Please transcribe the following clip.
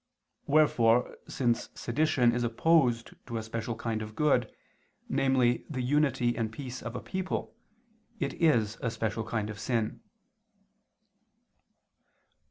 Wherefore, since sedition is opposed to a special kind of good, namely the unity and peace of a people, it is a special kind of sin.